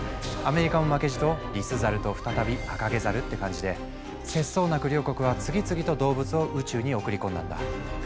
アメリカも負けじとリスザルと再びアカゲザルって感じで節操なく両国は次々と動物を宇宙に送り込んだんだ。